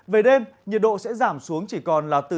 về đêm nhiệt độ sẽ giảm xuống chỉ còn là từ hai mươi